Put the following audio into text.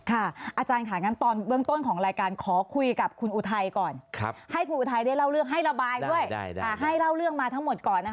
ค่ะอาจารย์อาจารย์ถ่ายงาน